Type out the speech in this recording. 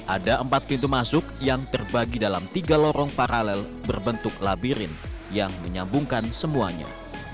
ada empat pintu masuk yang terbagi dalam tiga lorong paralel berbentuk labirin yang menyambungkan semuanya